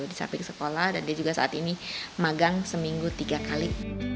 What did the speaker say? di samping sekolah dan dia juga saat ini magang seminggu tiga kali